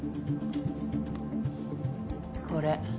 これ。